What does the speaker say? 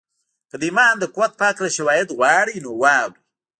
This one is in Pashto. که د ایمان د قوت په هکله شواهد غواړئ نو واورئ